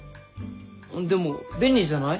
でも便利じゃない？